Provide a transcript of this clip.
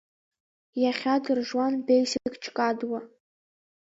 ИахьадыржуанБесикҶкадуа…